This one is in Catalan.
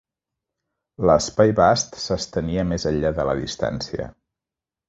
L'espai vast s'estenia més enllà de la distància.